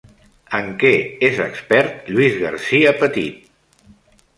En què és expert Lluís Garcia Petit?